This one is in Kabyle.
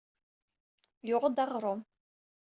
Yuɣ-d aɣṛum.